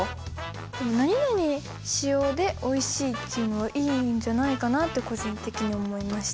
何々使用でおいしいっていうのはいいんじゃないかなって個人的に思いました。